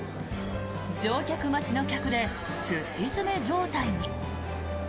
乗客待ちの客ですし詰め状態に。